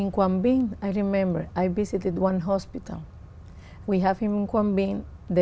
cũng như chủ tịch thủ tịch